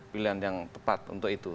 pilihan yang tepat untuk itu